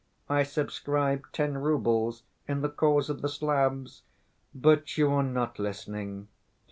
I subscribed ten roubles in the cause of the Slavs!... But you are not listening.